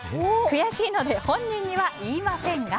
悔しいので本人には言いませんが。